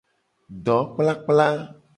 Dokplakpla.